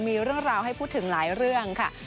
มีเรื่องราวให้พูดถึงหลายเรื่องค่ะ